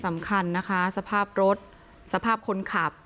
สำคัญนะคะสภาพรถสภาพคนขับ